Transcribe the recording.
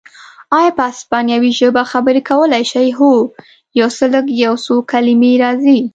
ایا په اسپانوي ژبه خبرې کولای شې؟ هو، یو څه لږ، یو څو کلمې راځي.